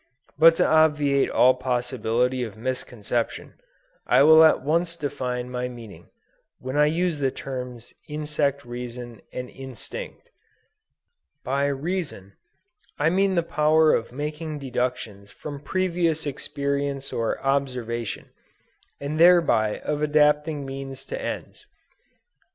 But to obviate all possibility of misconception, I will at once define my meaning, when I use the terms insect reason and instinct." "By reason, I mean the power of making deductions from previous experience or observation, and thereby of adapting means to ends.